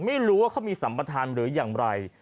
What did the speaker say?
ไม่รู้ว่าเขามีสัมปทานหรืออย่างไร